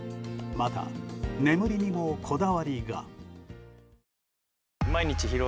また、眠りにもこだわりが。